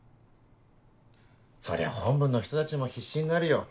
そりゃ本部の人たちも必死になるよ。